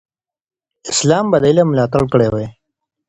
اسلام به د علم ملاتړ کړی وي.